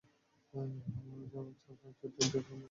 হাওড়া যাওয়ার পরবর্তী ট্রেনটা কখন আসবে?